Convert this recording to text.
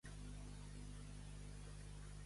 Ser un tinyeta.